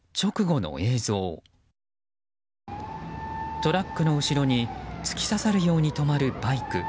トラックの後ろに突き刺さるように止まるバイク。